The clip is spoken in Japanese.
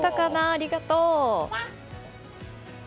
ありがとう。